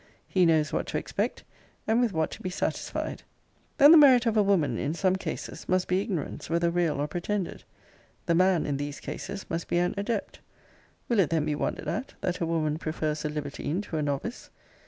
He knows what to expect, and with what to be satisfied. * See Vol. IV. Letters XXIX. and XXXIV. Then the merit of a woman, in some cases, must be ignorance, whether real or pretended. The man, in these cases, must be an adept. Will it then be wondered at, that a woman prefers a libertine to a novice?